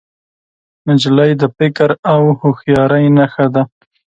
نجلۍ د فکر او هوښیارۍ نښه ده.